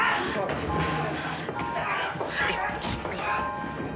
よいしょ。